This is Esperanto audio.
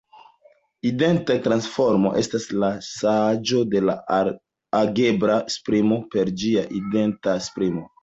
Identa transformo estas la ŝanĝo de algebra esprimo per ĝia identa esprimo.